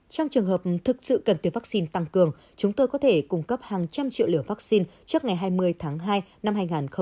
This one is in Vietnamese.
trong trường hợp thực sự cần tiêm vaccine tăng cường chúng tôi có thể cung cấp hàng trăm triệu liều vaccine trước ngày hai mươi tháng hai năm hai nghìn hai mươi